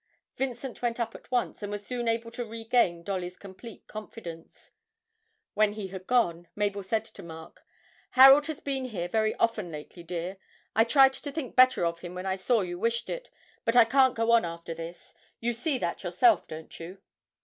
Vincent went up at once, and was soon able to regain Dolly's complete confidence. When he had gone, Mabel said to Mark: 'Harold has been here very often lately, dear. I tried to think better of him when I saw you wished it but I can't go on after this, you see that yourself, don't you?'